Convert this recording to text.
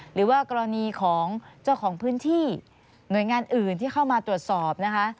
หรือว่ากรณีของเจ้าของพื้นที่หน่วยงานอื่นที่เข้ามาตรวจสอบนะคะ